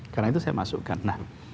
karena itu saya masukkan